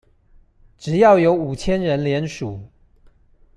只要有五千人連署